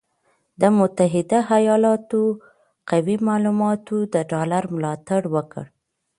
د متحده ایالاتو قوي معلوماتو د ډالر ملاتړ وکړ،